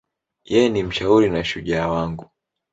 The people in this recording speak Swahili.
Yeye ni mshauri na shujaa wangu.